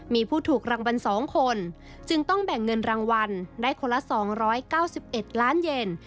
มีผู้ถูกรางวัล๒คนจึงต้องแบ่งเงินรางวัลได้คนละ๒๙๑ล้านเย็น